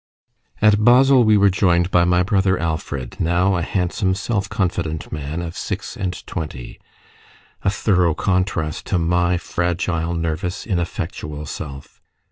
At Basle we were joined by my brother Alfred, now a handsome, self confident man of six and twenty a thorough contrast to my fragile, nervous, ineffectual self.